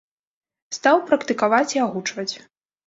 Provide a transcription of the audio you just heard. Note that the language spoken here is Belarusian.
Стаў практыкаваць і агучваць.